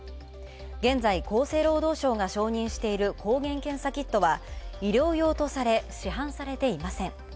現在、厚生労働省が承認している抗原検査キットは医療用とされ市販されていません。